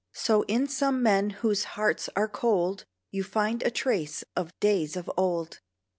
So in some men whose hearts are cold You find a trace of days of old.